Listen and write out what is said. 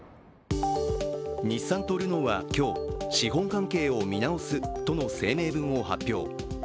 日産とルノーは今日、資本関係を見直すとの声明文を発表。